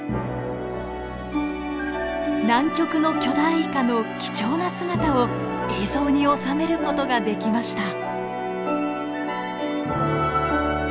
南極の巨大イカの貴重な姿を映像に収める事ができました。